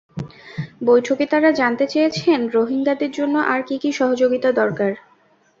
বৈঠকে তাঁরা জানতে চেয়েছেন, রোহিঙ্গাদের জন্য আর কী কী সহযোগিতা দরকার।